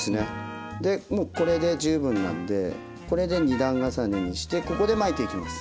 でもうこれで十分なんでこれで２段重ねにしてここで巻いていきます。